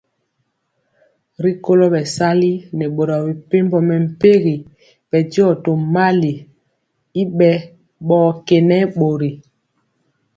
Rikolo bɛsali nɛ boro mepempɔ mɛmpegi bɛndiɔ tomali y bɛ bɔkenɛ bori.